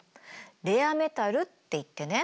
レアメタルっていってね